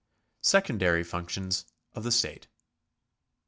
Secondary Functions of the State.